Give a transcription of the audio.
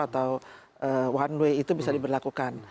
atau one way itu bisa diberlakukan